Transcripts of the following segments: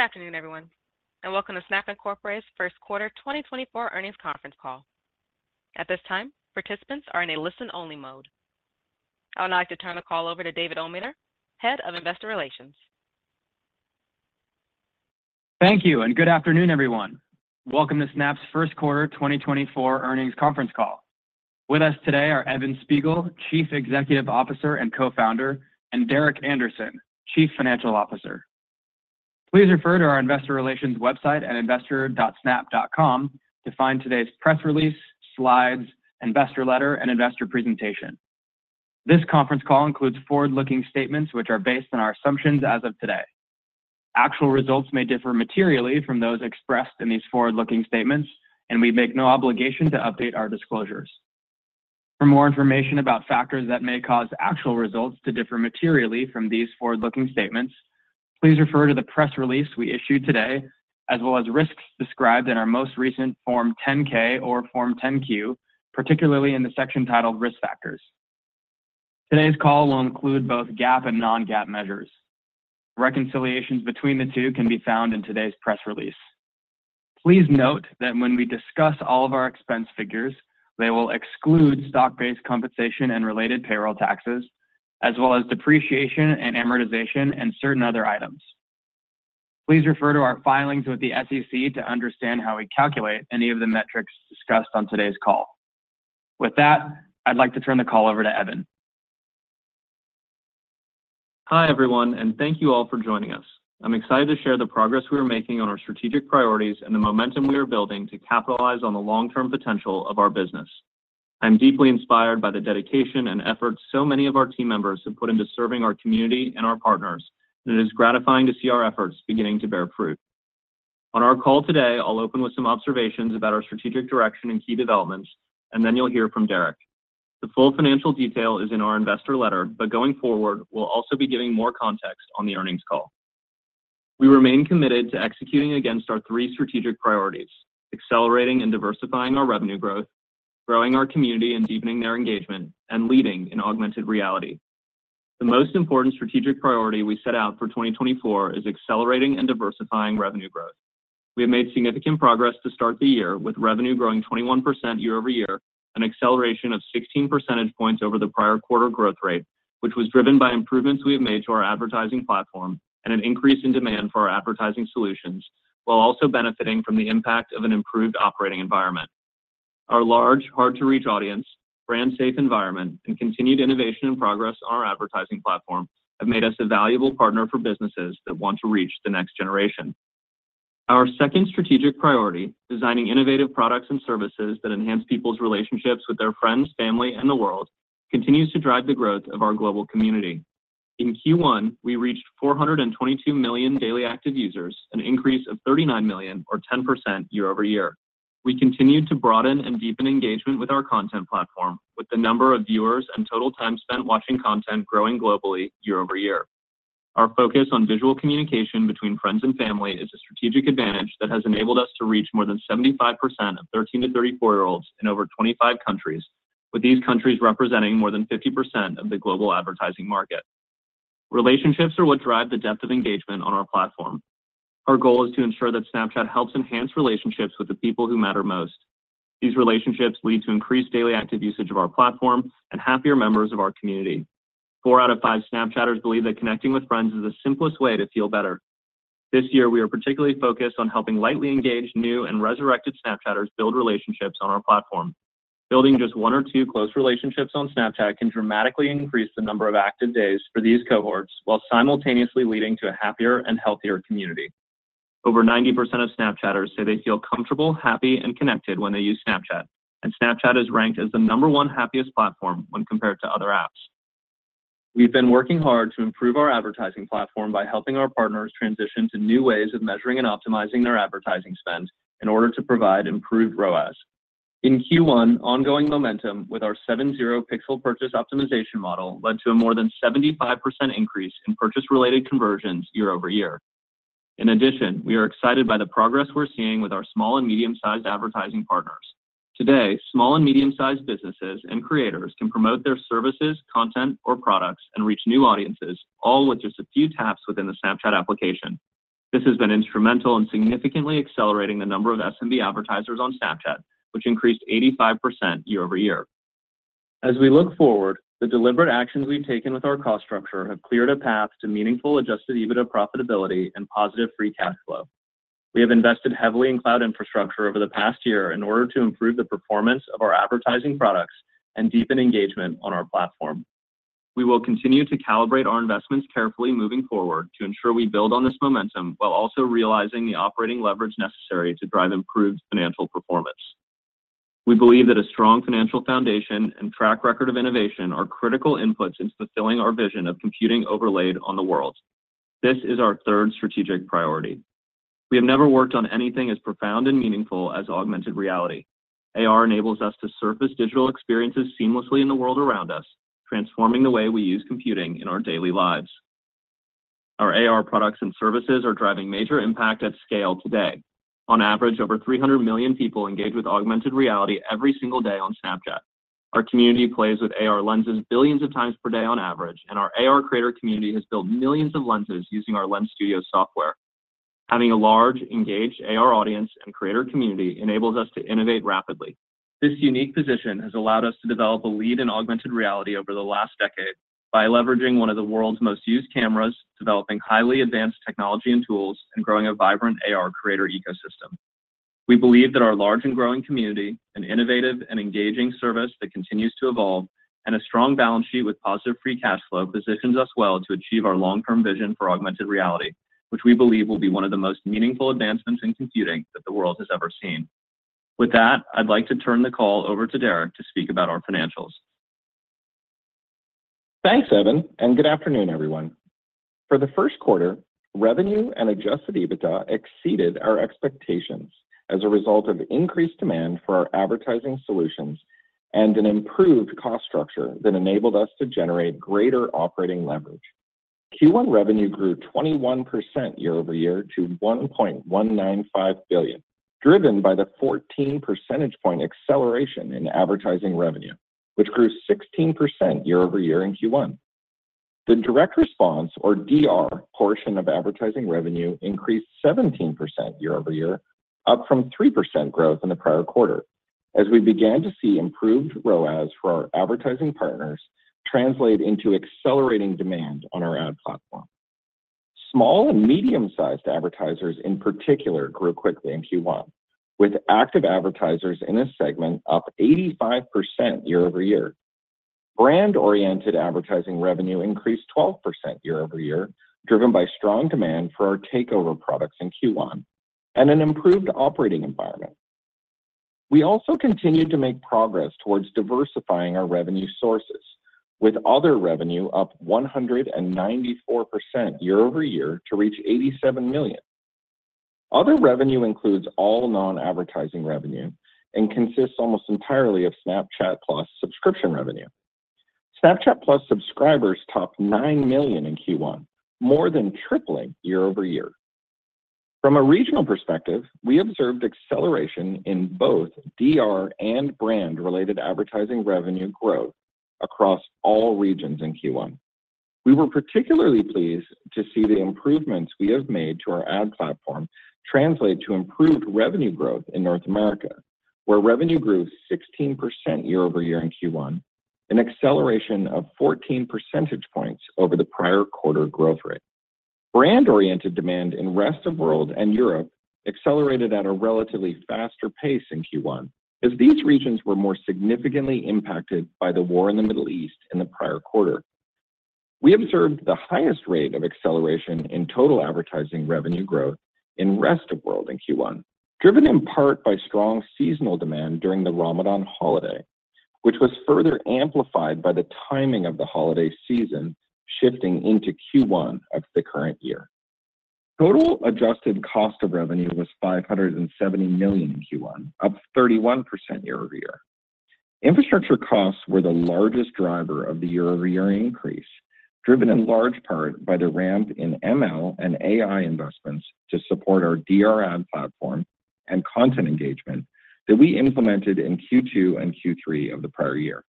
Good afternoon, everyone, and welcome to Snap Incorporate's first quarter 2024 earnings conference call. At this time, participants are in a listen-only mode. I would now like to turn the call over to David Ometer, Head of Investor Relations. Thank you, and good afternoon, everyone. Welcome to Snap's first quarter 2024 earnings conference call. With us today are Evan Spiegel, Chief Executive Officer and Co-Founder, and Derek Andersen, Chief Financial Officer. Please refer to our investor relations website at investor.snap.com to find today's press release, slides, investor letter, and investor presentation. This conference call includes forward-looking statements which are based on our assumptions as of today. Actual results may differ materially from those expressed in these forward-looking statements, and we make no obligation to update our disclosures. For more information about factors that may cause actual results to differ materially from these forward-looking statements, please refer to the press release we issued today as well as risks described in our most recent Form 10-K or Form 10-Q, particularly in the section titled Risk Factors. Today's call will include both GAAP and non-GAAP measures. Reconciliations between the two can be found in today's press release. Please note that when we discuss all of our expense figures, they will exclude stock-based compensation and related payroll taxes, as well as depreciation and amortization and certain other items. Please refer to our filings with the SEC to understand how we calculate any of the metrics discussed on today's call. With that, I'd like to turn the call over to Evan. Hi, everyone, and thank you all for joining us. I'm excited to share the progress we are making on our strategic priorities and the momentum we are building to capitalize on the long-term potential of our business. I'm deeply inspired by the dedication and efforts so many of our team members have put into serving our community and our partners, and it is gratifying to see our efforts beginning to bear fruit. On our call today, I'll open with some observations about our strategic direction and key developments, and then you'll hear from Derek. The full financial detail is in our investor letter, but going forward, we'll also be giving more context on the earnings call. We remain committed to executing against our three strategic priorities: accelerating and diversifying our revenue growth, growing our community and deepening their engagement, and leading in augmented reality. The most important strategic priority we set out for 2024 is accelerating and diversifying revenue growth. We have made significant progress to start the year with revenue growing 21% YoY, an acceleration of 16% points over the prior quarter growth rate, which was driven by improvements we have made to our advertising platform and an increase in demand for our advertising solutions, while also benefiting from the impact of an improved operating environment. Our large, hard-to-reach audience, brand-safe environment, and continued innovation and progress on our advertising platform have made us a valuable partner for businesses that want to reach the next generation. Our second strategic priority, designing innovative products and services that enhance people's relationships with their friends, family, and the world, continues to drive the growth of our global community. In Q1, we reached 422 million daily active users, an increase of 39 million, or 10% YoY. We continued to broaden and deepen engagement with our content platform, with the number of viewers and total time spent watching content growing globally YoY. Our focus on visual communication between friends and family is a strategic advantage that has enabled us to reach more than 75% of 13- 34 year-olds in over 25 countries, with these countries representing more than 50% of the global advertising market. Relationships are what drive the depth of engagement on our platform. Our goal is to ensure that Snapchat helps enhance relationships with the people who matter most. These relationships lead to increased daily active usage of our platform and happier members of our community. Four out of five Snapchatters believe that connecting with friends is the simplest way to feel better. This year, we are particularly focused on helping lightly engaged, new, and resurrected Snapchatters build relationships on our platform. Building just one or two close relationships on Snapchat can dramatically increase the number of active days for these cohorts, while simultaneously leading to a happier and healthier community. Over 90% of Snapchatters say they feel comfortable, happy, and connected when they use Snapchat, and Snapchat is ranked as the number one happiest platform when compared to other apps. We've been working hard to improve our advertising platform by helping our partners transition to new ways of measuring and optimizing their advertising spend in order to provide improved ROAS. In Q1, ongoing momentum with our 7.0 pixel purchase optimization model led to a more than 75% increase in purchase-related conversions YoY. In addition, we are excited by the progress we're seeing with our small and medium-sized advertising partners. Today, small and medium-sized businesses and creators can promote their services, content, or products and reach new audiences, all with just a few taps within the Snapchat application. This has been instrumental in significantly accelerating the number of SMB advertisers on Snapchat, which increased 85% YoY. As we look forward, the deliberate actions we've taken with our cost structure have cleared a path to meaningful Adjusted EBITDA profitability and positive Free Cash Flow. We have invested heavily in cloud infrastructure over the past year in order to improve the performance of our advertising products and deepen engagement on our platform. We will continue to calibrate our investments carefully moving forward to ensure we build on this momentum while also realizing the operating leverage necessary to drive improved financial performance. We believe that a strong financial foundation and track record of innovation are critical inputs into fulfilling our vision of computing overlaid on the world. This is our third strategic priority. We have never worked on anything as profound and meaningful as augmented reality. AR enables us to surface digital experiences seamlessly in the world around us, transforming the way we use computing in our daily lives. Our AR products and services are driving major impact at scale today. On average, over 300 million people engage with augmented reality every single day on Snapchat. Our community plays with AR lenses billions of times per day on average, and our AR creator community has built millions of lenses using our Lens Studio software. Having a large, engaged AR audience and creator community enables us to innovate rapidly. This unique position has allowed us to develop a lead in augmented reality over the last decade by leveraging one of the world's most used cameras, developing highly advanced technology and tools, and growing a vibrant AR creator ecosystem. We believe that our large and growing community, an innovative and engaging service that continues to evolve, and a strong balance sheet with positive free cash flow positions us well to achieve our long-term vision for augmented reality, which we believe will be one of the most meaningful advancements in computing that the world has ever seen. With that, I'd like to turn the call over to Derek to speak about our financials. Thanks, Evan, and good afternoon, everyone. For the first quarter, revenue and adjusted EBITDA exceeded our expectations as a result of increased demand for our advertising solutions and an improved cost structure that enabled us to generate greater operating leverage. Q1 revenue grew 21% year over year to $1.195 billion, driven by the 14% point acceleration in advertising revenue, which grew 16% year over year in Q1. The direct response, or DR, portion of advertising revenue increased 17% year over year, up from 3% growth in the prior quarter, as we began to see improved ROAS for our advertising partners translate into accelerating demand on our ad platform. Small and medium-sized advertisers, in particular, grew quickly in Q1, with active advertisers in this segment up 85% YoY. Brand-oriented advertising revenue increased 12% YoY, driven by strong demand for our takeover products in Q1 and an improved operating environment. We also continued to make progress towards diversifying our revenue sources, with other revenue up 194% YoY to reach $87 million. Other revenue includes all non-advertising revenue and consists almost entirely of Snapchat+ subscription revenue. Snapchat+ subscribers topped 9 million in Q1, more than tripling YoY. From a regional perspective, we observed acceleration in both DR and brand-related advertising revenue growth across all regions in Q1. We were particularly pleased to see the improvements we have made to our ad platform translate to improved revenue growth in North America, where revenue grew 16% YoY in Q1, an acceleration of 14% points over the prior quarter growth rate. Brand-oriented demand in the Rest of World and Europe accelerated at a relatively faster pace in Q1 as these regions were more significantly impacted by the war in the Middle East in the prior quarter. We observed the highest rate of acceleration in total advertising revenue growth in the Rest of World in Q1, driven in part by strong seasonal demand during the Ramadan holiday, which was further amplified by the timing of the holiday season shifting into Q1 of the current year. Total adjusted cost of revenue was $570 million in Q1, up 31% YoY. Infrastructure costs were the largest driver of the YoY increase, driven in large part by the ramp in ML and AI investments to support our DR ad platform and content engagement that we implemented in Q2 and Q3 of the prior year.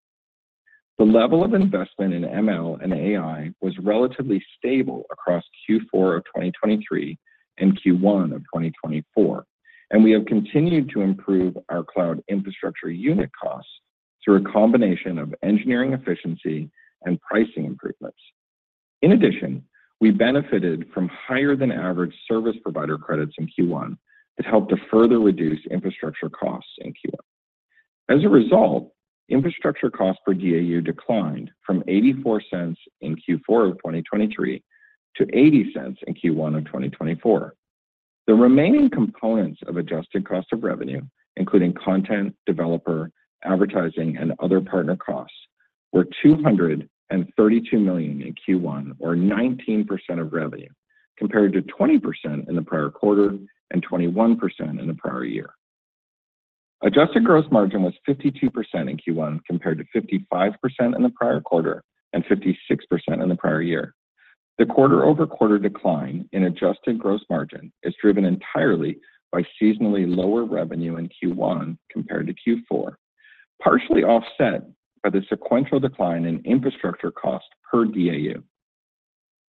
The level of investment in ML and AI was relatively stable across Q4 of 2023 and Q1 of 2024, and we have continued to improve our cloud infrastructure unit costs through a combination of engineering efficiency and pricing improvements. In addition, we benefited from higher-than-average service provider credits in Q1 that helped to further reduce infrastructure costs in Q1. As a result, infrastructure costs per DAU declined from $0.84 in Q4 of 2023 to $0.80 in Q1 of 2024. The remaining components of adjusted cost of revenue, including content, developer, advertising, and other partner costs, were $232 million in Q1, or 19% of revenue, compared to 20% in the prior quarter and 21% in the prior year. Adjusted gross margin was 52% in Q1 compared to 55% in the prior quarter and 56% in the prior year. The quarter-over-quarter decline in adjusted gross margin is driven entirely by seasonally lower revenue in Q1 compared to Q4, partially offset by the sequential decline in infrastructure costs per DAU.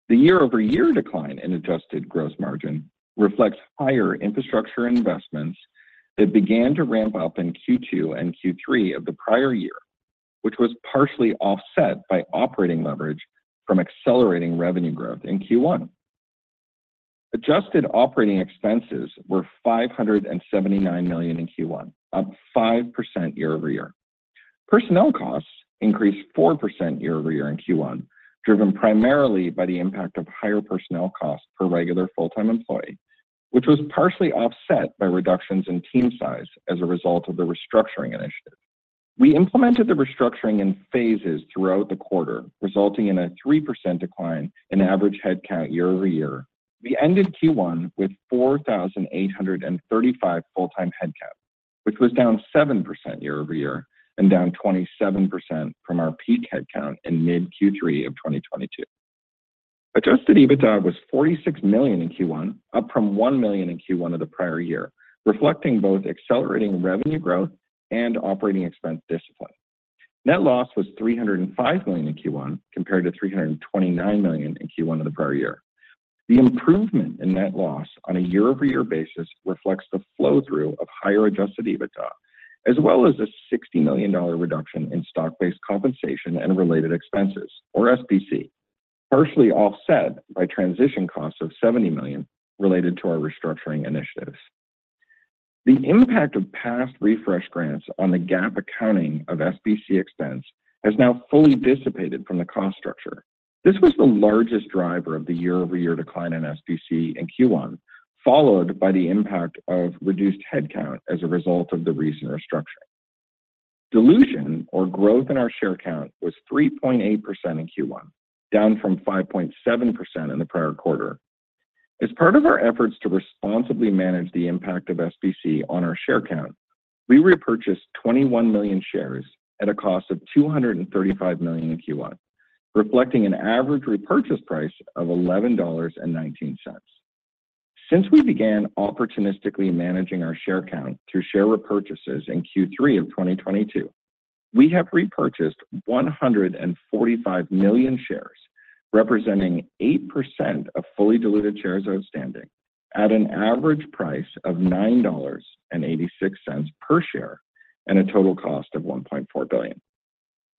The YoY decline in adjusted gross margin reflects higher infrastructure investments that began to ramp up in Q2 and Q3 of the prior year, which was partially offset by operating leverage from accelerating revenue growth in Q1. Adjusted operating expenses were $579 million in Q1, up 5% year over year. Personnel costs increased 4% YoY in Q1, driven primarily by the impact of higher personnel costs per regular full-time employee, which was partially offset by reductions in team size as a result of the restructuring initiative. We implemented the restructuring in phases throughout the quarter, resulting in a 3% decline in average headcount YoY. We ended Q1 with 4,835 full-time headcount, which was down 7% YoY and down 27% from our peak headcount in mid-Q3 of 2022. Adjusted EBITDA was $46 million in Q1, up from $1 million in Q1 of the prior year, reflecting both accelerating revenue growth and operating expense discipline. Net loss was $305 million in Q1 compared to $329 million in Q1 of the prior year. The improvement in net loss on a YoY basis reflects the flow-through of higher adjusted EBITDA, as well as a $60 million reduction in stock-based compensation and related expenses, or SBC, partially offset by transition costs of $70 million related to our restructuring initiatives. The impact of past refresh grants on the GAAP accounting of SBC expense has now fully dissipated from the cost structure. This was the largest driver of the YoY decline in SBC in Q1, followed by the impact of reduced headcount as a result of the recent restructuring. Dilution, or growth in our share count, was 3.8% in Q1, down from 5.7% in the prior quarter. As part of our efforts to responsibly manage the impact of SBC on our share count, we repurchased 21 million shares at a cost of $235 million in Q1, reflecting an average repurchase price of $11.19. Since we began opportunistically managing our share count through share repurchases in Q3 of 2022, we have repurchased 145 million shares, representing 8% of fully diluted shares outstanding, at an average price of $9.86 per share and a total cost of $1.4 billion.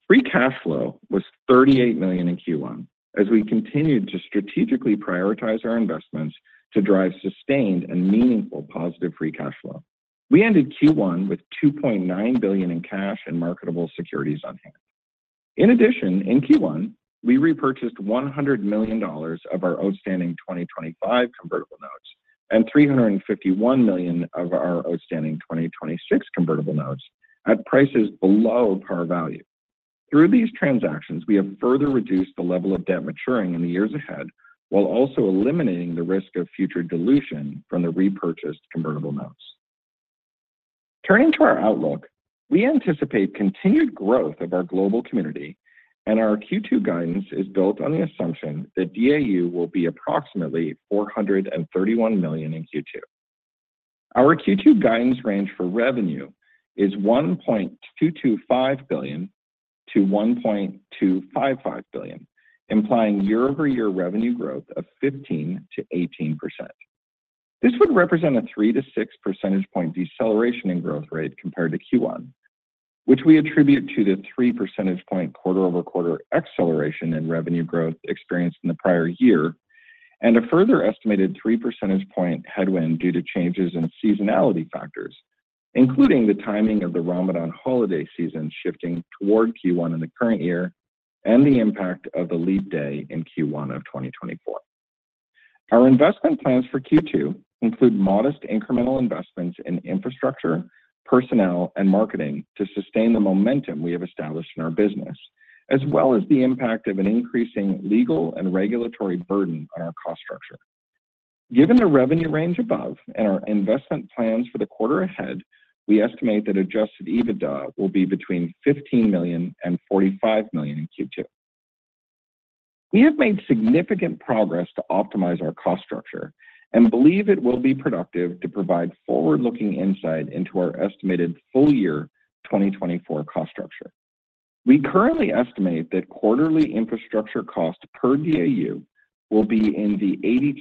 Free cash flow was $38 million in Q1 as we continued to strategically prioritize our investments to drive sustained and meaningful positive free cash flow. We ended Q1 with $2.9 billion in cash and marketable securities on hand. In addition, in Q1, we repurchased $100 million of our outstanding 2025 convertible notes and $351 million of our outstanding 2026 convertible notes at prices below par value. Through these transactions, we have further reduced the level of debt maturing in the years ahead while also eliminating the risk of future dilution from the repurchased convertible notes. Turning to our outlook, we anticipate continued growth of our global community, and our Q2 guidance is built on the assumption that DAU will be approximately 431 million in Q2. Our Q2 guidance range for revenue is $1.225 billion-$1.255 billion, implying YoY revenue growth of 15%-18%. This would represent a three to 6 % point deceleration in growth rate compared to Q1, which we attribute to the 3% point quarter-over-quarter acceleration in revenue growth experienced in the prior year and a further estimated 3% point headwind due to changes in seasonality factors, including the timing of the Ramadan holiday season shifting toward Q1 in the current year and the impact of the leap day in Q1 of 2024. Our investment plans for Q2 include modest incremental investments in infrastructure, personnel, and marketing to sustain the momentum we have established in our business, as well as the impact of an increasing legal and regulatory burden on our cost structure. Given the revenue range above and our investment plans for the quarter ahead, we estimate that Adjusted EBITDA will be between $15 million and $45 million in Q2. We have made significant progress to optimize our cost structure and believe it will be productive to provide forward-looking insight into our estimated full-year 2024 cost structure. We currently estimate that quarterly infrastructure cost per DAU will be in the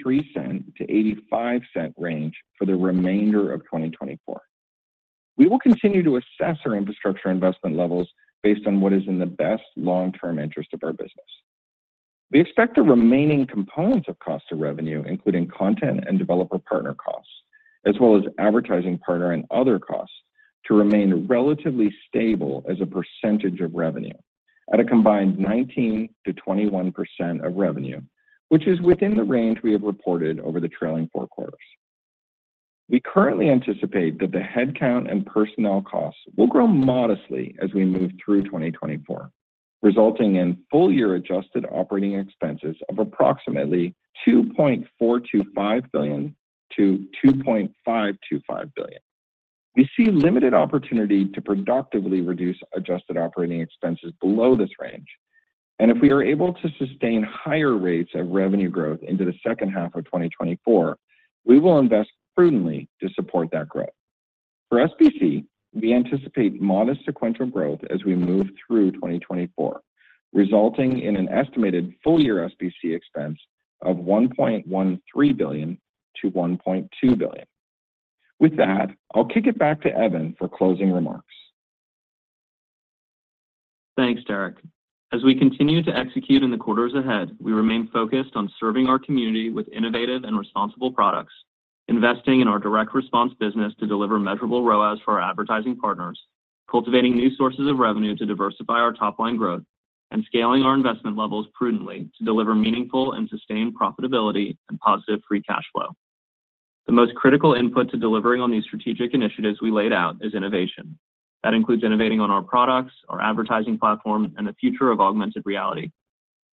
$0.83-$0.85 range for the remainder of 2024. We will continue to assess our infrastructure investment levels based on what is in the best long-term interest of our business. We expect the remaining components of cost of revenue, including content and developer partner costs, as well as advertising partner and other costs, to remain relatively stable as a percentage of revenue at a combined 19%-21% of revenue, which is within the range we have reported over the trailing four quarters. We currently anticipate that the headcount and personnel costs will grow modestly as we move through 2024, resulting in full-year adjusted operating expenses of approximately $2.425 billion-$2.525 billion. We see limited opportunity to productively reduce adjusted operating expenses below this range, and if we are able to sustain higher rates of revenue growth into the second half of 2024, we will invest prudently to support that growth. For SBC, we anticipate modest sequential growth as we move through 2024, resulting in an estimated full-year SBC expense of $1.13 billion-$1.2 billion. With that, I'll kick it back to Evan for closing remarks. Thanks, Derek. As we continue to execute in the quarters ahead, we remain focused on serving our community with innovative and responsible products, investing in our direct response business to deliver measurable ROAS for our advertising partners, cultivating new sources of revenue to diversify our top-line growth, and scaling our investment levels prudently to deliver meaningful and sustained profitability and positive free cash flow. The most critical input to delivering on these strategic initiatives we laid out is innovation. That includes innovating on our products, our advertising platform, and the future of augmented reality.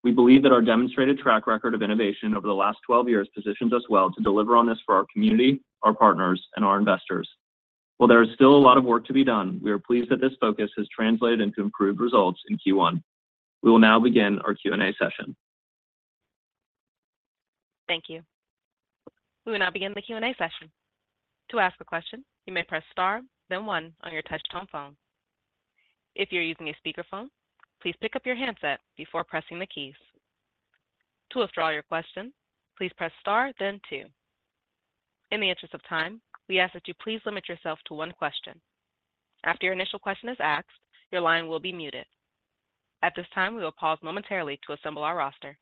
We believe that our demonstrated track record of innovation over the last 12 years positions us well to deliver on this for our community, our partners, and our investors. While there is still a lot of work to be done, we are pleased that this focus has translated into improved results in Q1. We will now begin our Q&A session. Thank you. We will now begin the Q&A session. To ask a question, you may press star, then 1 on your touch-tone phone. If you're using a speakerphone, please pick up your handset before pressing the keys. To withdraw your question, please press star, then 2. In the interest of time, we ask that you please limit yourself to one question. After your initial question is asked, your line will be muted. At this time, we will pause momentarily to assemble our roster.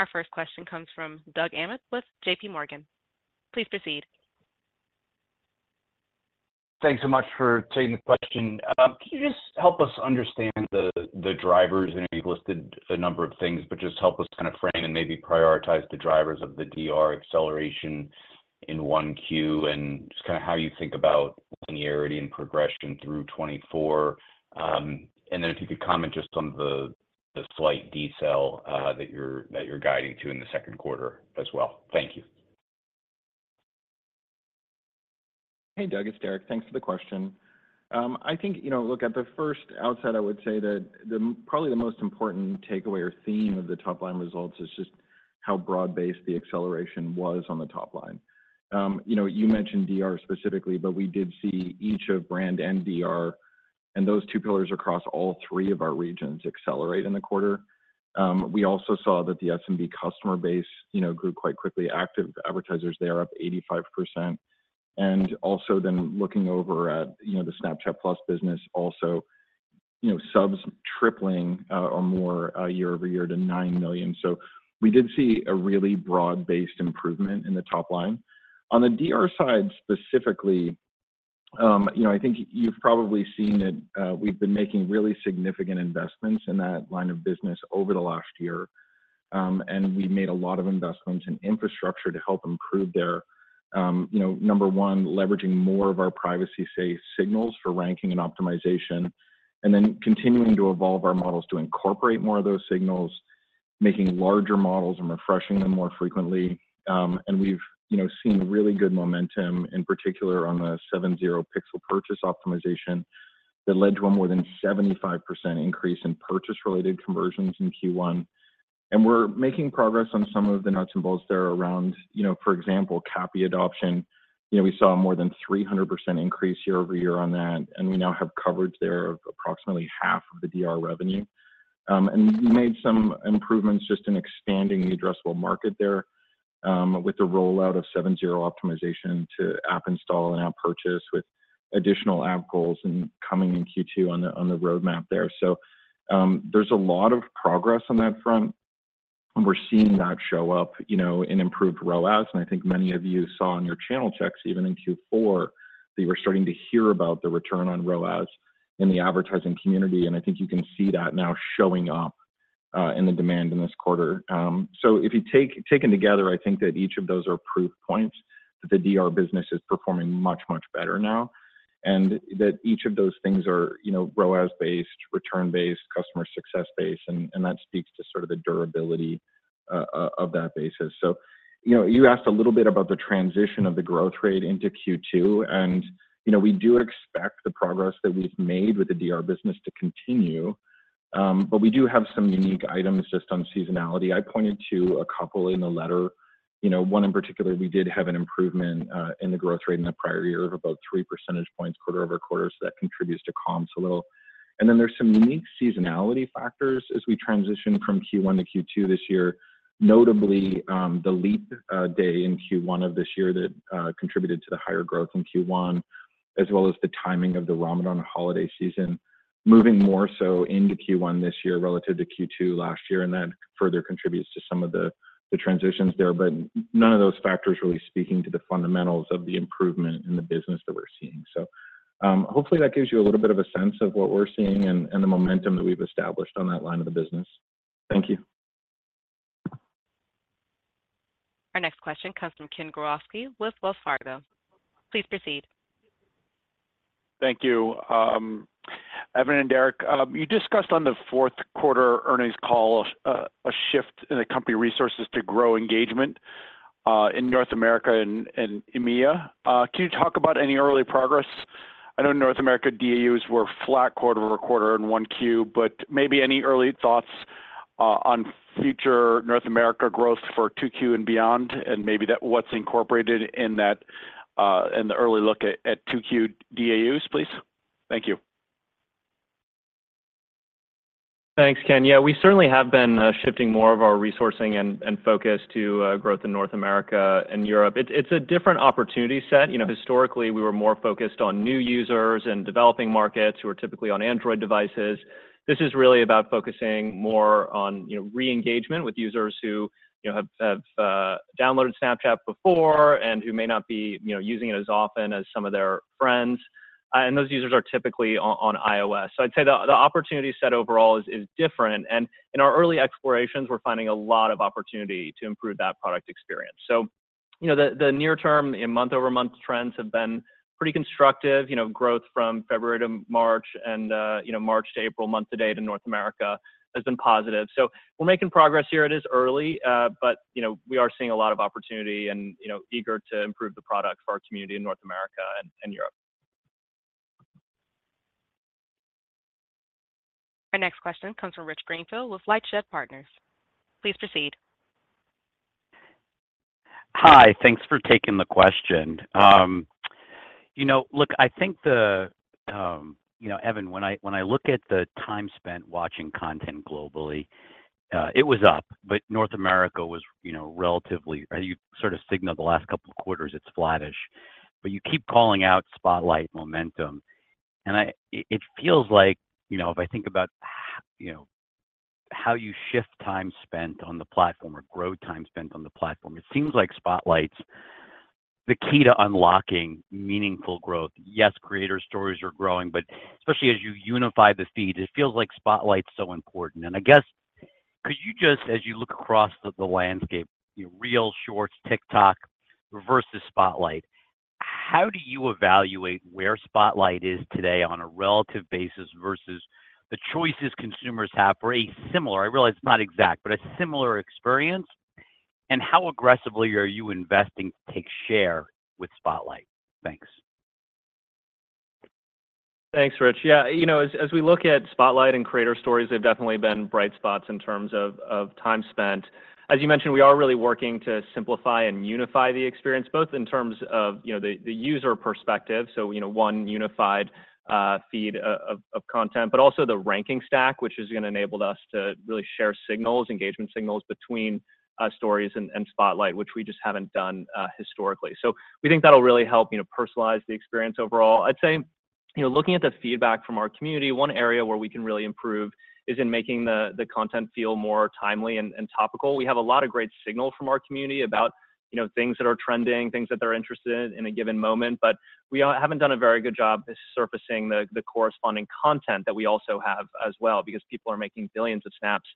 Our first question comes from Doug Anmuth with J.P. Morgan. Please proceed. Thanks so much for taking the question. Could you just help us understand the drivers? I know you've listed a number of things, but just help us kind of frame and maybe prioritize the drivers of the DR acceleration in Q1 and just kind of how you think about linearity and progression through 2024. And then if you could comment just on the slight DECEL that you're guiding to in the second quarter as well. Thank you. Hey, Doug. It's Derek. Thanks for the question. I think, look, at the first outset, I would say that probably the most important takeaway or theme of the top-line results is just how broad-based the acceleration was on the top line. You mentioned DR specifically, but we did see each of brand and DR and those two pillars across all three of our regions accelerate in the quarter. We also saw that the SMB customer base grew quite quickly. Active advertisers there up 85%. And also then looking over at the Snapchat+ business also, subs tripling or more YoY to nine million. So we did see a really broad-based improvement in the top line. On the DR side specifically, I think you've probably seen that we've been making really significant investments in that line of business over the last year, and we made a lot of investments in infrastructure to help improve there. Number one, leveraging more of our privacy-safe signals for ranking and optimization, and then continuing to evolve our models to incorporate more of those signals, making larger models and refreshing them more frequently. And we've seen really good momentum, in particular on the 7/0 Pixel Purchase Optimization that led to a more than 75% increase in purchase-related conversions in Q1. And we're making progress on some of the nuts and bolts there around, for example, CAPI adoption. We saw a more than 300% increase YoY on that, and we now have coverage there of approximately half of the DR revenue. We made some improvements just in expanding the addressable market there with the rollout of 7/0 optimization to app install and app purchase with additional app goals coming in Q2 on the roadmap there. There's a lot of progress on that front, and we're seeing that show up in improved ROAS. I think many of you saw in your channel checks, even in Q4, that you were starting to hear about the return on ROAS in the advertising community. I think you can see that now showing up in the demand in this quarter. If you take them together, I think that each of those are proof points that the DR business is performing much, much better now and that each of those things are ROAS-based, return-based, customer success-based. That speaks to sort of the durability of that basis. So you asked a little bit about the transition of the growth rate into Q2, and we do expect the progress that we've made with the DR business to continue. But we do have some unique items just on seasonality. I pointed to a couple in the letter. One in particular, we did have an improvement in the growth rate in the prior year of about 3% point QoQ, so that contributes to calms a little. And then there's some unique seasonality factors as we transition from Q1 to Q2 this year, notably the leap day in Q1 of this year that contributed to the higher growth in Q1, as well as the timing of the Ramadan holiday season moving more so into Q1 this year relative to Q2 last year. That further contributes to some of the transitions there, but none of those factors really speaking to the fundamentals of the improvement in the business that we're seeing. So hopefully, that gives you a little bit of a sense of what we're seeing and the momentum that we've established on that line of the business. Thank you. Our next question comes from Ken Gawrelski with Wells Fargo. Please proceed. Thank you. Evan and Derek, you discussed on the fourth quarter earnings call a shift in the company resources to grow engagement in North America and EMEA. Can you talk about any early progress? I know North America DAUs were flat quarter over quarter in Q1, but maybe any early thoughts on future North America growth for Q2 and beyond and maybe what's incorporated in the early look at Q2 DAUs, please? Thank you. Thanks, Ken. Yeah, we certainly have been shifting more of our resourcing and focus to growth in North America and Europe. It's a different opportunity set. Historically, we were more focused on new users and developing markets who are typically on Android devices. This is really about focusing more on re-engagement with users who have downloaded Snapchat before and who may not be using it as often as some of their friends. And those users are typically on iOS. So I'd say the opportunity set overall is different. And in our early explorations, we're finding a lot of opportunity to improve that product experience. So the near-term and month-over-month trends have been pretty constructive. Growth from February to March and March to April, month to date in North America has been positive. So we're making progress here. It is early, but we are seeing a lot of opportunity and eager to improve the product for our community in North America and Europe. Our next question comes from Rich Greenfield with LightShed Partners. Please proceed. Hi. Thanks for taking the question. Look, I think, Evan, when I look at the time spent watching content globally, it was up, but North America was relatively, you sort of signaled the last couple of quarters, it's flattish. But you keep calling out Spotlight momentum. And it feels like if I think about how you shift time spent on the platform or grow time spent on the platform, it seems like Spotlight's the key to unlocking meaningful growth. Yes, creator stories are growing, but especially as you unify the feed, it feels like Spotlight's so important. And I guess, could you just, as you look across the landscape, Reels, Shorts, TikTok versus Spotlight, how do you evaluate where Spotlight is today on a relative basis versus the choices consumers have for a similar, I realize it's not exact, but a similar experience? How aggressively are you investing to take share with Spotlight? Thanks. Thanks, Rich. Yeah, as we look at Spotlight and creator Stories, they've definitely been bright spots in terms of time spent. As you mentioned, we are really working to simplify and unify the experience, both in terms of the user perspective, so one unified feed of content, but also the ranking stack, which has enabled us to really share signals, engagement signals between Stories and Spotlight, which we just haven't done historically. So we think that'll really help personalize the experience overall. I'd say looking at the feedback from our community, one area where we can really improve is in making the content feel more timely and topical. We have a lot of great signal from our community about things that are trending, things that they're interested in in a given moment. But we haven't done a very good job surfacing the corresponding content that we also have as well because people are making billions of snaps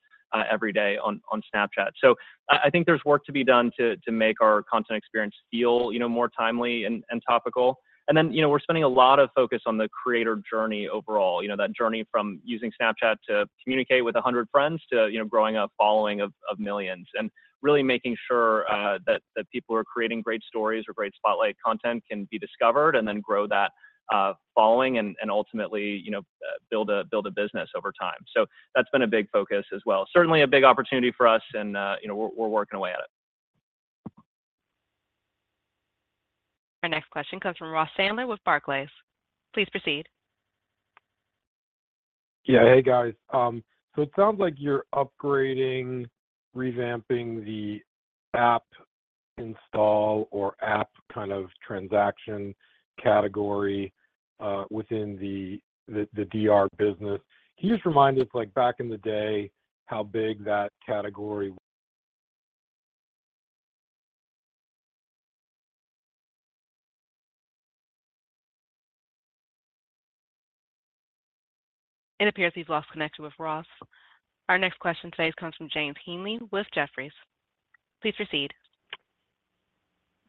every day on Snapchat. So I think there's work to be done to make our content experience feel more timely and topical. And then we're spending a lot of focus on the creator journey overall, that journey from using Snapchat to communicate with 100 friends to growing a following of millions and really making sure that people who are creating great Stories or great Spotlight content can be discovered and then grow that following and ultimately build a business over time. So that's been a big focus as well, certainly a big opportunity for us, and we're working away at it. Our next question comes from Ross Sandler with Barclays. Please proceed. Yeah. Hey, guys. So it sounds like you're upgrading, revamping the app install or app kind of transaction category within the DR business. Can you just remind us back in the day how big that category was? It appears he's lost connection with Ross. Our next question today comes from James Heaney with Jefferies. Please proceed.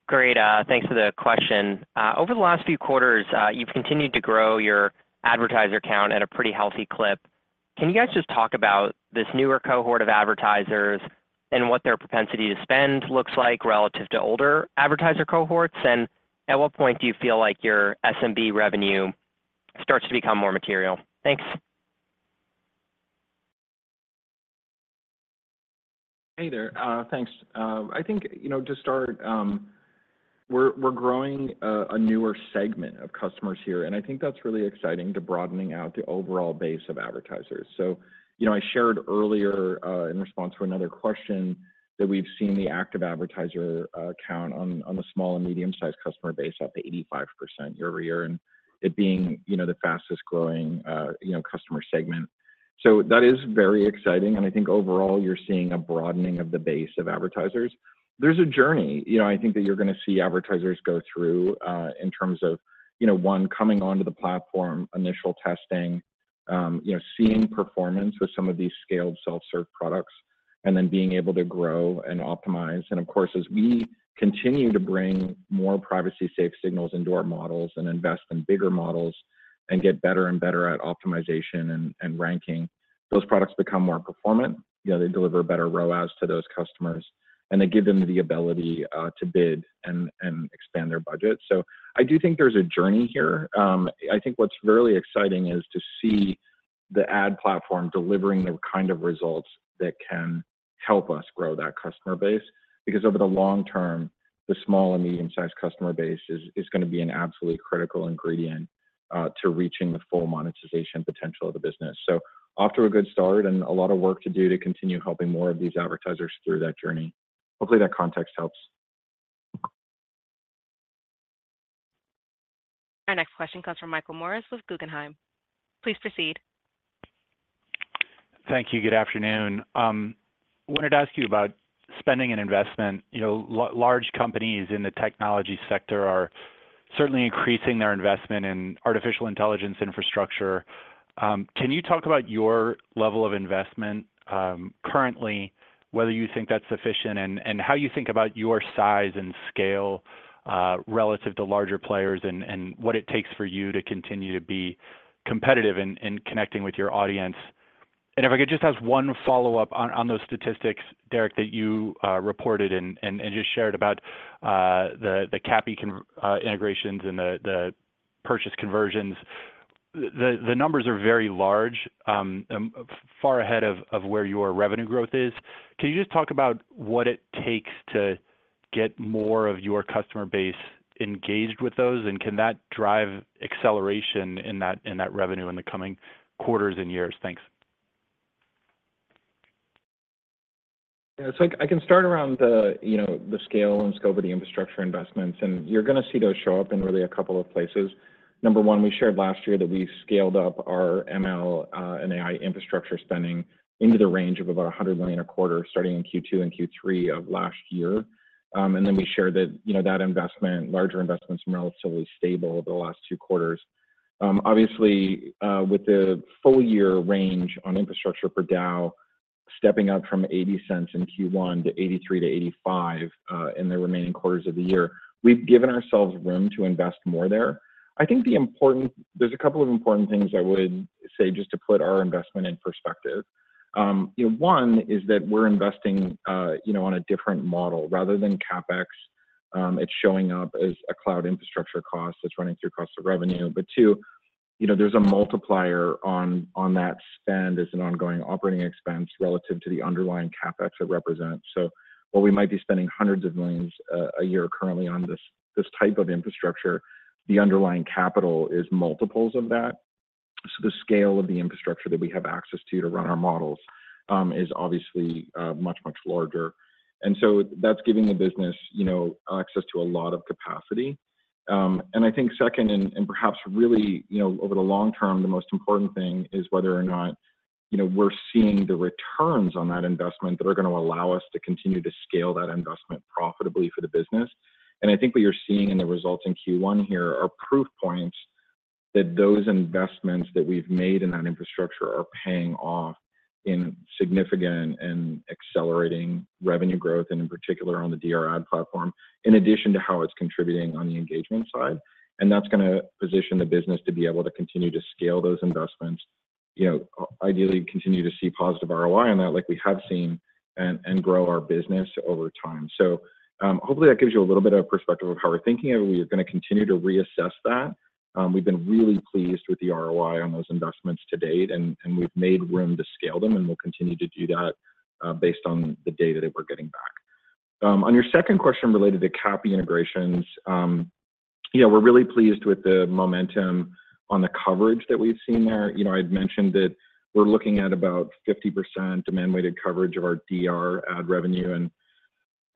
Great. Thanks for the question. Over the last few quarters, you've continued to grow your advertiser count at a pretty healthy clip. Can you guys just talk about this newer cohort of advertisers and what their propensity to spend looks like relative to older advertiser cohorts, and at what point do you feel like your SMB revenue starts to become more material? Thanks. Hey there. Thanks. I think to start, we're growing a newer segment of customers here, and I think that's really exciting to broadening out the overall base of advertisers. So I shared earlier in response to another question that we've seen the active advertiser count on the small and medium-sized customer base up to 85% YoYand it being the fastest growing customer segment. So that is very exciting. And I think overall, you're seeing a broadening of the base of advertisers. There's a journey. I think that you're going to see advertisers go through in terms of, one, coming onto the platform, initial testing, seeing performance with some of these scaled self-serve products, and then being able to grow and optimize. Of course, as we continue to bring more privacy-safe signals into our models and invest in bigger models and get better and better at optimization and ranking, those products become more performant. They deliver better ROAS to those customers, and they give them the ability to bid and expand their budget. I do think there's a journey here. I think what's really exciting is to see the ad platform delivering the kind of results that can help us grow that customer base because over the long term, the small and medium-sized customer base is going to be an absolutely critical ingredient to reaching the full monetization potential of the business. Off to a good start and a lot of work to do to continue helping more of these advertisers through that journey. Hopefully, that context helps. Our next question comes from Michael Morris with Guggenheim. Please proceed. Thank you. Good afternoon. I wanted to ask you about spending and investment. Large companies in the technology sector are certainly increasing their investment in artificial intelligence infrastructure. Can you talk about your level of investment currently, whether you think that's sufficient, and how you think about your size and scale relative to larger players and what it takes for you to continue to be competitive in connecting with your audience? And if I could just ask one follow-up on those statistics, Derek, that you reported and just shared about the CAPI integrations and the purchase conversions, the numbers are very large, far ahead of where your revenue growth is. Can you just talk about what it takes to get more of your customer base engaged with those, and can that drive acceleration in that revenue in the coming quarters and years? Thanks. Yeah. So I can start around the scale and scope of the infrastructure investments. And you're going to see those show up in really a couple of places. Number one, we shared last year that we scaled up our ML and AI infrastructure spending into the range of about $100 million a quarter, starting in Q2 and Q3 of last year. And then we shared that that investment, larger investments, are relatively stable over the last two quarters. Obviously, with the full-year range on infrastructure per DAU stepping up from $0.80 in Q1 to $0.83-$0.85 in the remaining quarters of the year, we've given ourselves room to invest more there. I think there's a couple of important things I would say just to put our investment in perspective. One is that we're investing on a different model. Rather than CapEx, it's showing up as a Cloud Infrastructure cost that's running through cost of revenue. But two, there's a multiplier on that spend as an ongoing operating expense relative to the underlying CapEx it represents. So while we might be spending $hundreds of millions a year currently on this type of infrastructure, the underlying capital is multiples of that. So the scale of the infrastructure that we have access to run our models is obviously much, much larger. And so that's giving the business access to a lot of capacity. And I think second, and perhaps really over the long term, the most important thing is whether or not we're seeing the returns on that investment that are going to allow us to continue to scale that investment profitably for the business. I think what you're seeing in the results in Q1 here are proof points that those investments that we've made in that infrastructure are paying off in significant and accelerating revenue growth, and in particular on the DR ad platform, in addition to how it's contributing on the engagement side. That's going to position the business to be able to continue to scale those investments, ideally continue to see positive ROI on that like we have seen, and grow our business over time. Hopefully, that gives you a little bit of perspective of how we're thinking of it. We are going to continue to reassess that. We've been really pleased with the ROI on those investments to date, and we've made room to scale them, and we'll continue to do that based on the data that we're getting back. On your second question related to CAPI integrations, we're really pleased with the momentum on the coverage that we've seen there. I'd mentioned that we're looking at about 50% demand-weighted coverage of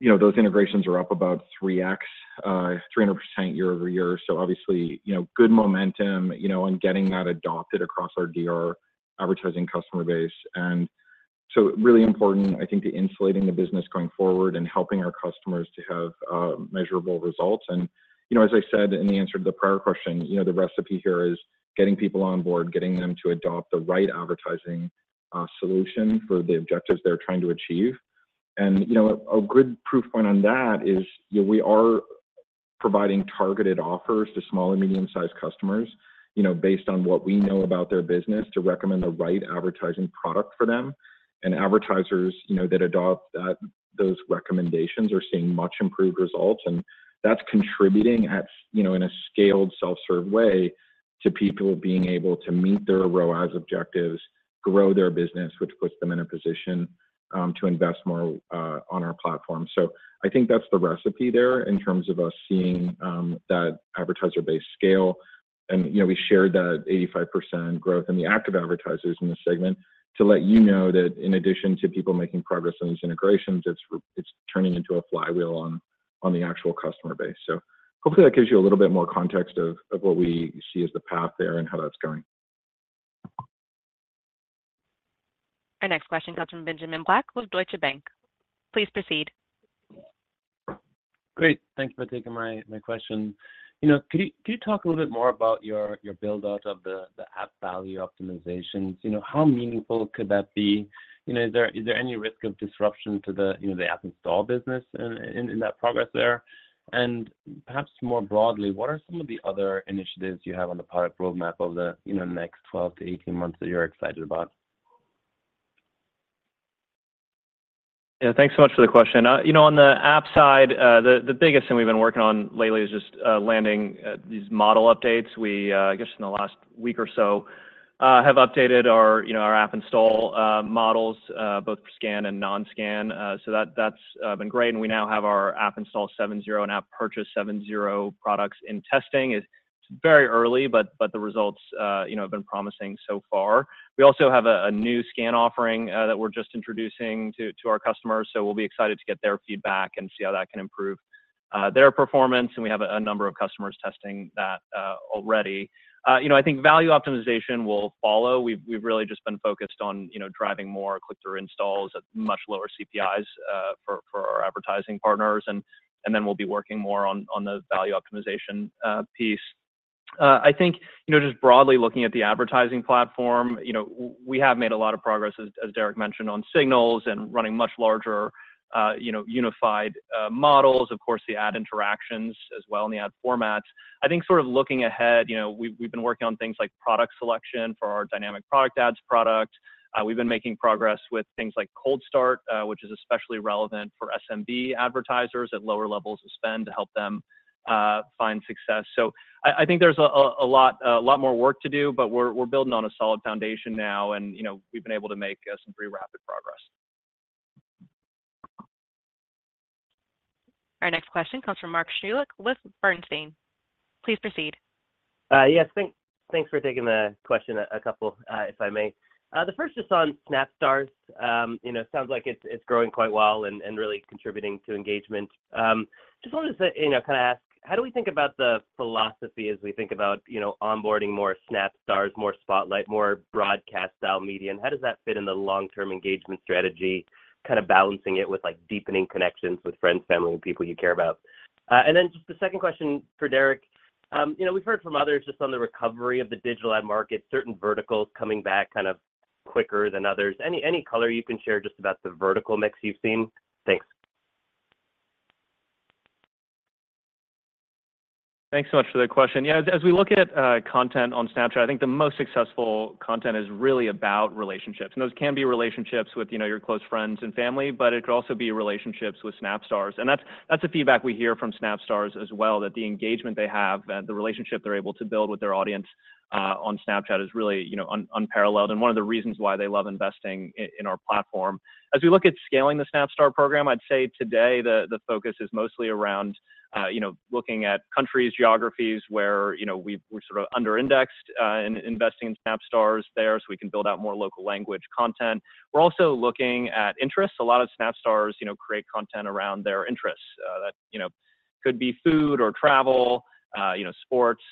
our DR ad revenue, and those integrations are up about 3x, 300% YoY. So obviously, good momentum on getting that adopted across our DR advertising customer base. And so really important, I think, to insulating the business going forward and helping our customers to have measurable results. And as I said in the answer to the prior question, the recipe here is getting people on board, getting them to adopt the right advertising solution for the objectives they're trying to achieve. And a good proof point on that is we are providing targeted offers to small and medium-sized customers based on what we know about their business to recommend the right advertising product for them. Advertisers that adopt those recommendations are seeing much improved results. That's contributing in a scaled self-serve way to people being able to meet their ROAS objectives, grow their business, which puts them in a position to invest more on our platform. So I think that's the recipe there in terms of us seeing that advertiser-based scale. We shared that 85% growth in the active advertisers in this segment to let you know that in addition to people making progress on these integrations, it's turning into a flywheel on the actual customer base. So hopefully, that gives you a little bit more context of what we see as the path there and how that's going. Our next question comes from Benjamin Black with Deutsche Bank. Please proceed. Great. Thank you for taking my question. Could you talk a little bit more about your buildout of the app value optimizations? How meaningful could that be? Is there any risk of disruption to the app install business in that progress there? And perhaps more broadly, what are some of the other initiatives you have on the product roadmap over the next 12-18 months that you're excited about? Yeah. Thanks so much for the question. On the app side, the biggest thing we've been working on lately is just landing these model updates. I guess in the last week or so, have updated our app install models, both for Scan and non-scan. So that's been great. And we now have our app install 7.0 and app purchase 7.0 products in testing. It's very early, but the results have been promising so far. We also have a new Scan offering that we're just introducing to our customers. So we'll be excited to get their feedback and see how that can improve their performance. And we have a number of customers testing that already. I think value optimization will follow. We've really just been focused on driving more click-through installs at much lower CPIs for our advertising partners. And then we'll be working more on the value optimization piece. I think just broadly looking at the advertising platform, we have made a lot of progress, as Derek mentioned, on signals and running much larger unified models. Of course, the ad interactions as well and the ad formats. I think sort of looking ahead, we've been working on things like product selection for our Dynamic Product Ads product. We've been making progress with things like cold start, which is especially relevant for SMB advertisers at lower levels of spend to help them find success. So I think there's a lot more work to do, but we're building on a solid foundation now, and we've been able to make some pretty rapid progress. Our next question comes from Mark Shmulik with Bernstein. Please proceed. Yes. Thanks for taking the question a couple, if I may. The first is on Snapstars. Sounds like it's growing quite well and really contributing to engagement. Just wanted to kind of ask, how do we think about the philosophy as we think about onboarding more Snapstars, more Spotlight, more broadcast-style media? And how does that fit in the long-term engagement strategy, kind of balancing it with deepening connections with friends, family, and people you care about? And then just the second question for Derek. We've heard from others just on the recovery of the digital ad market, certain verticals coming back kind of quicker than others. Any color you can share just about the vertical mix you've seen? Thanks. Thanks so much for the question. Yeah. As we look at content on Snapchat, I think the most successful content is really about relationships. Those can be relationships with your close friends and family, but it could also be relationships with Snapstars. That's the feedback we hear from Snapstars as well, that the engagement they have and the relationship they're able to build with their audience on Snapchat is really unparalleled. One of the reasons why they love investing in our platform. As we look at scaling the Snapstar program, I'd say today the focus is mostly around looking at countries, geographies where we're sort of under-indexed in investing in Snapstars there so we can build out more local language content. We're also looking at interests. A lot of Snapstars create content around their interests. That could be food or travel, sports,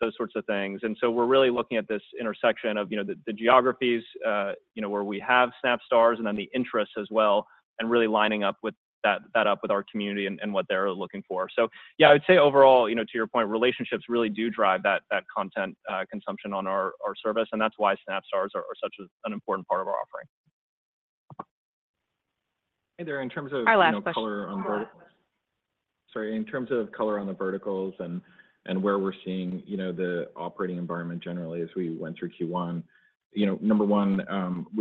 those sorts of things. And so we're really looking at this intersection of the geographies where we have Snapstars and then the interests as well, and really lining up with that up with our community and what they're looking for. So yeah, I would say overall, to your point, relationships really do drive that content consumption on our service. And that's why Snapstars are such an important part of our offering. Hey there. In terms of. Our last question. Color on the story. In terms of color on the verticals and where we're seeing the operating environment generally as we went through Q1, number one,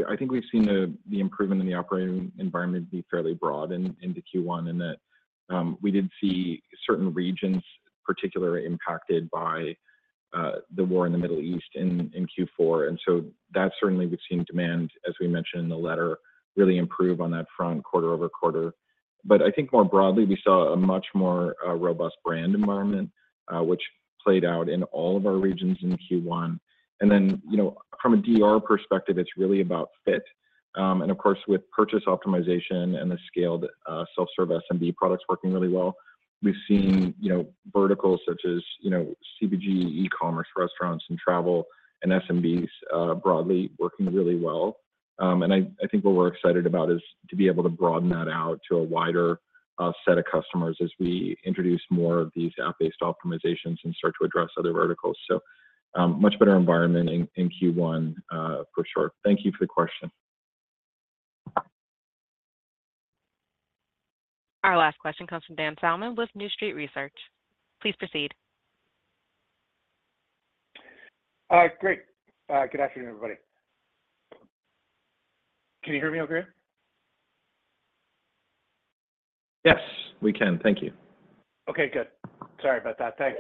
I think we've seen the improvement in the operating environment be fairly broad into Q1 in that we did see certain regions particularly impacted by the war in the Middle East in Q4. And so that certainly we've seen demand, as we mentioned in the letter, really improve on that front quarter-over-quarter. But I think more broadly, we saw a much more robust brand environment, which played out in all of our regions in Q1. And then from a DR perspective, it's really about fit. And of course, with purchase optimization and the scaled self-serve SMB products working really well, we've seen verticals such as CBG, e-commerce, restaurants, and travel, and SMBs broadly working really well. I think what we're excited about is to be able to broaden that out to a wider set of customers as we introduce more of these app-based optimizations and start to address other verticals. Much better environment in Q1, for sure. Thank you for the question. Our last question comes from Dan Salmon with New Street Research. Please proceed. Great. Good afternoon, everybody. Can you hear me okay? Yes, we can. Thank you. Okay. Good. Sorry about that. Thanks.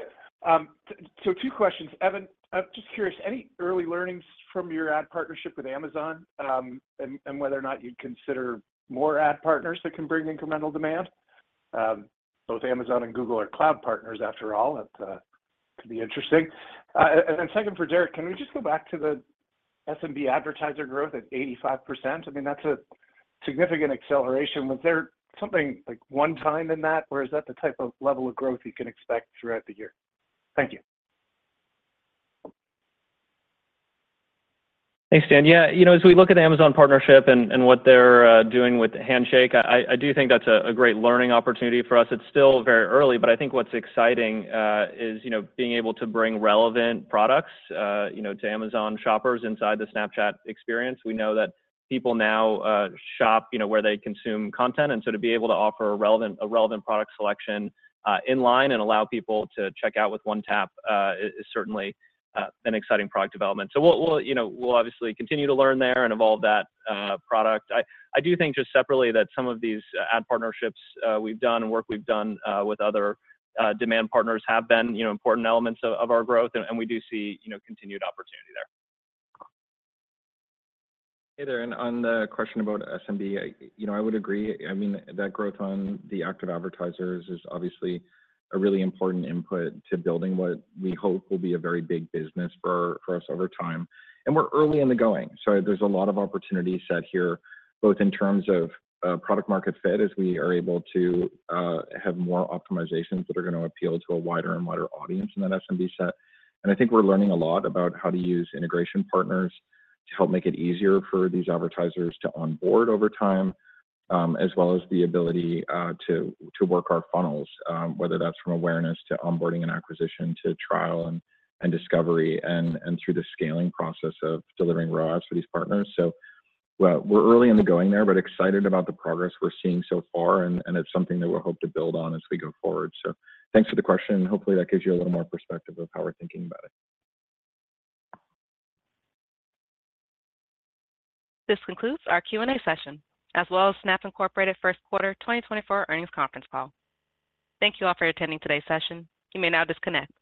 So two questions. Evan, I'm just curious, any early learnings from your ad partnership with Amazon and whether or not you'd consider more ad partners that can bring incremental demand? Both Amazon and Google are cloud partners, after all. That could be interesting. And then second for Derek, can we just go back to the SMB advertiser growth at 85%? I mean, that's a significant acceleration. Was there something one-time in that, or is that the type of level of growth you can expect throughout the year? Thank you. Thanks, Dan. Yeah. As we look at the Amazon partnership and what they're doing with Handshake, I do think that's a great learning opportunity for us. It's still very early, but I think what's exciting is being able to bring relevant products to Amazon shoppers inside the Snapchat experience. We know that people now shop where they consume content. And so to be able to offer a relevant product selection inline and allow people to check out with one tap is certainly an exciting product development. So we'll obviously continue to learn there and evolve that product. I do think just separately that some of these ad partnerships we've done and work we've done with other demand partners have been important elements of our growth. And we do see continued opportunity there. Hey there. And on the question about SMB, I would agree. I mean, that growth on the active advertisers is obviously a really important input to building what we hope will be a very big business for us over time. And we're early in the going. So there's a lot of opportunity set here, both in terms of product-market fit as we are able to have more optimizations that are going to appeal to a wider and wider audience in that SMB set. And I think we're learning a lot about how to use integration partners to help make it easier for these advertisers to onboard over time, as well as the ability to work our funnels, whether that's from awareness to onboarding and acquisition to trial and discovery and through the scaling process of delivering ROAS for these partners. So we're early in the going there, but excited about the progress we're seeing so far. And it's something that we'll hope to build on as we go forward. So thanks for the question. Hopefully, that gives you a little more perspective of how we're thinking about it. This concludes our Q&A session, as well as Snap Inc. first quarter 2024 earnings conference call. Thank you all for attending today's session. You may now disconnect.